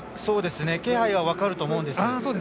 気配は分かると思うんです。